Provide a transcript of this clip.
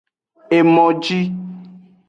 Emoji.